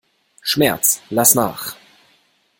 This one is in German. Schmerz, lass nach!